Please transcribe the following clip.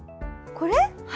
これ？